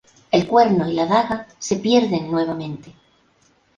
El Cuerno y la daga se pierden nuevamente.